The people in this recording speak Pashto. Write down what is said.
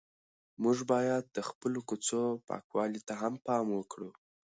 موږ باید د خپلو کوڅو پاکوالي ته هم پام وکړو.